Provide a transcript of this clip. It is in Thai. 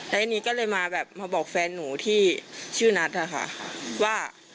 แล้วทีนี้ก็เลยมาแบบมาบอกแฟนหนูที่ชื่อนัทอะค่ะว่า